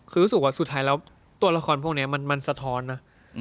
คือรู้สึกว่าสุดท้ายแล้วตัวละครพวกนี้มันสะท้อนนะ